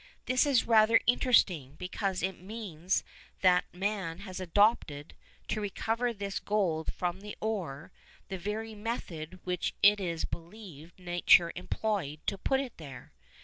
This is rather interesting, because it means that man has adopted, to recover this gold from the ore, the very method which it is believed nature employed to put it there.